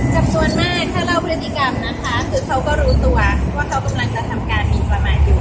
จำนวนมากถ้าเล่าพฤติกรรมนะคะคือเขาก็รู้ตัวว่าเขากำลังจะทำการหมินประมาทอยู่